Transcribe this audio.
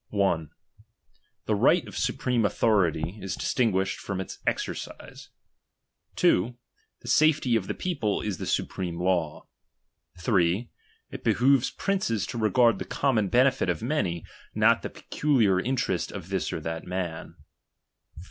]. The right of supreme authority is distinguished from its exer cise. 2. Thesafel}' of Ilic people Je the supreme law. 3. It behoves princes lo regard the common benefit of many, not the peculiar interest of this or that man, 4